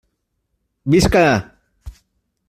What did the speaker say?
Visca!